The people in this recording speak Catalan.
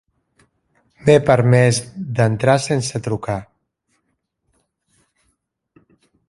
M'he permès d'entrar sense trucar.